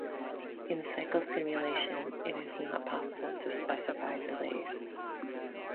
In cycle simulation, it is not possible to specify delays.